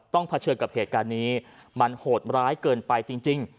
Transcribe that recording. เผชิญกับเหตุการณ์นี้มันโหดร้ายเกินไปจริง